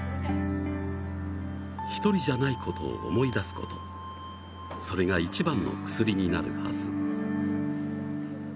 １人じゃないことを思い出すことそれが一番の薬になるはず。